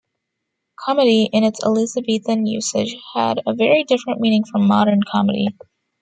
"Comedy", in its Elizabethan usage, had a very different meaning from modern comedy.